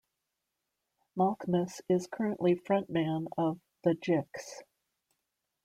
Malkmus is currently frontman of The Jicks.